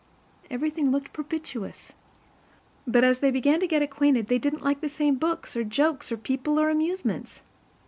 Everything looked propitious. But as they began to get acquainted, they didn't like the same books or jokes or people or amusements.